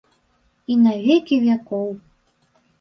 І на векі вякоў.